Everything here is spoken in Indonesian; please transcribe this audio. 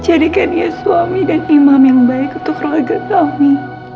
jadikan ia suami dan imam yang baik untuk keluarga kami